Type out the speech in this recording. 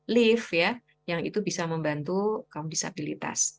lift yang bisa membantu kaum disabilitas